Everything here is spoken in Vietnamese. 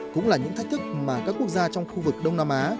cũng là những thách thức mà các quốc gia trong khu vực đông nam á